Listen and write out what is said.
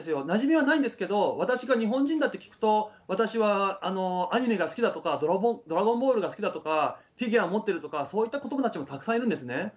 なじみはないんですけど、私が日本人だって聞くと、私はアニメが好きだとか、ドラゴンボールが好きだとか、フィギュア持ってるとかそういった子どもたちもたくさんいるんですね。